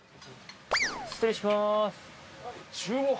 失礼します。